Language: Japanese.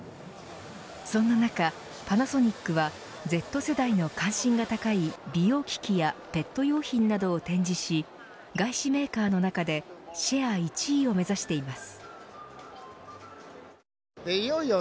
そんな中、パナソニックはＺ世代の関心が高い美容機器やペット用品などを展示し外資メーカーの中でシェア１位を目指しています。